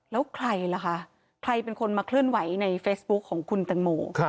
แล้วใครล่ะคะใครเป็นคนมาเคลื่อนไหวในเฟซบุ๊คของคุณตังโม